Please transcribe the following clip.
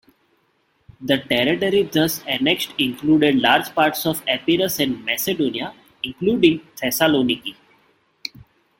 The territory thus annexed included large parts of Epirus and Macedonia, including Thessaloniki.